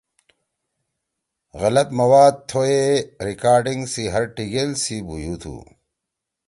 غلط موادتھو یے ریکارڈنگ سی ہر ٹیگیل سی بُھویُو تُھو۔